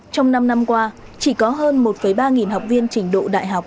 trong năm năm qua chỉ có hơn một ba học viên trình độ đại học